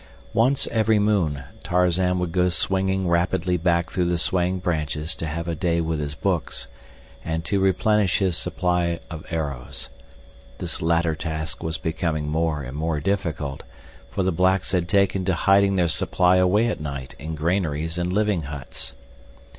Once every moon Tarzan would go swinging rapidly back through the swaying branches to have a day with his books, and to replenish his supply of arrows. This latter task was becoming more and more difficult, for the blacks had taken to hiding their supply away at night in granaries and living huts.